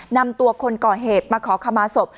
นำตัวคนก่อเหตุมาขอขมาศพ